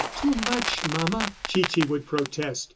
"Too much, mama," Chichi would protest.